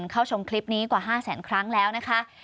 เข้าชมคลิปนี้กว่า๕แสนครั้งแล้วนะคะ